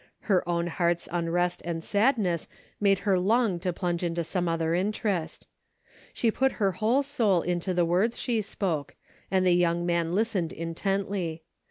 Her own heart's unrest and sadness made her long to plunge into some other interest. She put her whole soul into the words she spoke, and the young man listened intently.